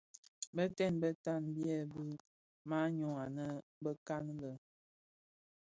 Binted bitan byèbi manyu anë bekan lè.